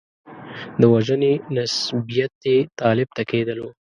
د وژنې نسبیت یې طالب ته کېدلو.